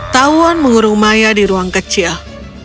tauan mengurung maya di ruang kecil